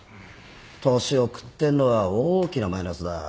年を食ってんのは大きなマイナスだ。